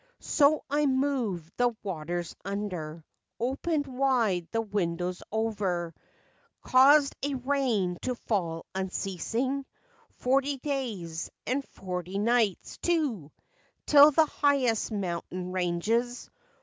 So I moved the waters under, Opened wide the windows over, Caused a rain to fall unceasing Forty days, and forty nights, too, Till the highest mountain ranges FACTS AND FANCIES.